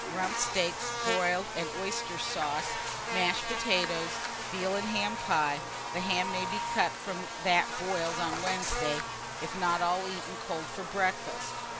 Rump steaks, broiled, and oyster sauce, mashed potatoes; veal and ham pie, the ham may be cut from that boiled on Wednesday, if not all eaten cold for breakfast.